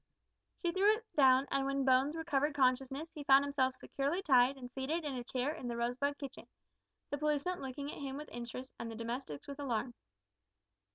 She threw it down, and when Bones recovered consciousness he found himself securely tied and seated in a chair in the Rosebud kitchen the policeman looking at him with interest, and the domestics with alarm.